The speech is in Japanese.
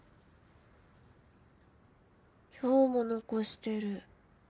今日も残してる。